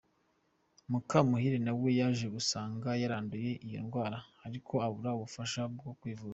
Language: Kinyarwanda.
Mukamuhire nawe yaje gusanga yaranduye iyo ndwara, ariko abura ubufasha bwo kwivuza.